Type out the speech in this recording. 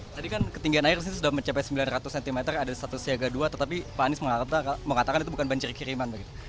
tadi kan ketinggian air sudah mencapai sembilan ratus cm ada status siaga dua tetapi pak anies mengatakan itu bukan banjir kiriman begitu